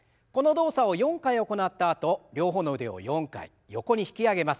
この動作を４回行ったあと両方の腕を４回横に引き上げます。